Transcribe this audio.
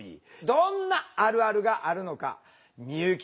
どんなあるあるがあるのか美由紀さん